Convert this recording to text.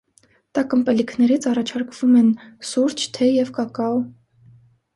Տաք ըմպելիքներից առաջարկվում են սուրճ, թեյ և կակաո։